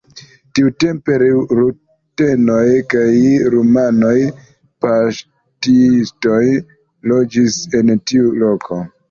Tiutempe rutenoj kaj rumanaj paŝtistoj loĝis en tiu loko.